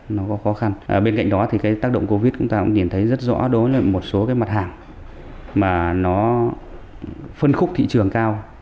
nó có khó khăn bên cạnh đó thì cái tác động covid chúng ta cũng nhìn thấy rất rõ đối với một số cái mặt hàng mà nó phân khúc thị trường cao